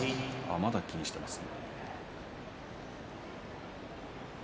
まだ気にしていますね。